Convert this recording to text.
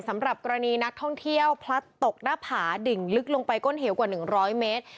สำหรับกรณีนักท่องเที่ยวพลัดตกหน้าผาดิ่งลึกลงไปก้นเหวกว่า๑๐๐เมตร